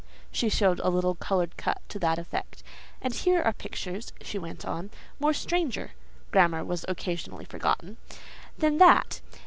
(She showed a little coloured cut to that effect.) "And here are pictures" (she went on) "more stranger" (grammar was occasionally forgotten) "than that.